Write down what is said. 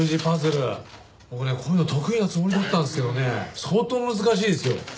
パズル僕ねこういうの得意なつもりだったんすけどね相当難しいですよ。